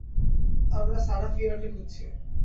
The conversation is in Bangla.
আমরা সারাহ ফিয়ারকে খুঁজছি।